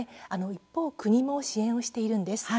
一方、国も支援をしているんです。